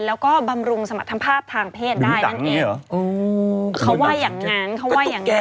แล้วก็บำรุงสมรรถภาพทางเพศได้นั่นเอง